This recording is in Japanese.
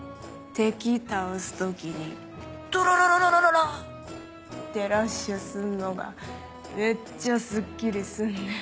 敵倒す時にドララララ！ってラッシュすんのがめっちゃすっきりすんねん。